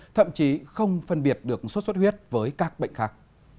thậm chí không phân biệt được sốt xuất huyết với các bệnh khác